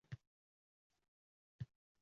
Adolat deb aytadir.